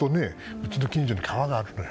うちの近所に川があるのよ